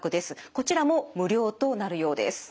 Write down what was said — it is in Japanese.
こちらも無料となるようです。